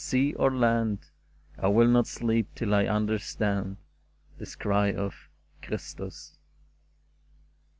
sea or land, I will not sleep till I understand This cry of ' Christus